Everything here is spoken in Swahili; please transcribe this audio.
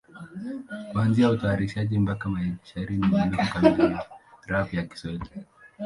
Kuanzia utayarishaji mpaka mashairi ni ubunifu kamili ya rap ya Kiswahili.